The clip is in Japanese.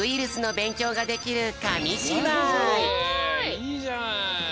いいじゃない。